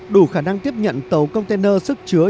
đủ khả năng tiếp nhận tàu container sức chứa